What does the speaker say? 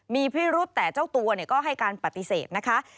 มีพิรุษแต่เจ้าตัวก็ให้การปฏิเสธนะคะ